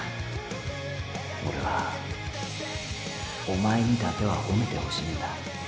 オレはおまえにだけは褒めてほしいんだ。